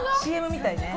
ＣＭみたいね